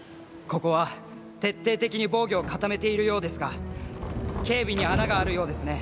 ここは徹底的に防御を固めているようですが警備に穴があるようですね